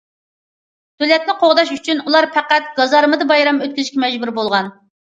دۆلەتنى قوغداش ئۈچۈن، ئۇلار پەقەت گازارمىدا بايرام ئۆتكۈزۈشكە مەجبۇر بولغان.